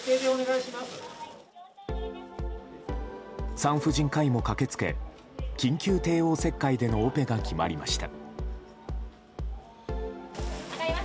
産婦人科医も駆けつけ緊急帝王切開でのオペが決まりました。